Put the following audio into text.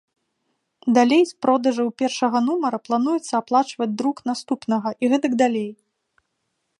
Далей з продажаў першага нумара плануецца аплачваць друк наступнага, і гэтак далей.